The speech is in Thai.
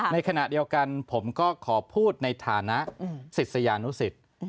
ในขณะเดียวกันผมก็ขอพูดในฐานะสิทธิ์สยานุสิทธิ์